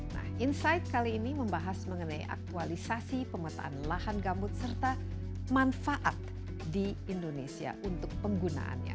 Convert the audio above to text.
nah insight kali ini membahas mengenai aktualisasi pemetaan lahan gambut serta manfaat di indonesia untuk penggunaannya